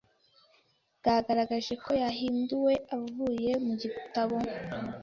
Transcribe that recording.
bwagaragaje ko yahinduwe avuye mu gitabo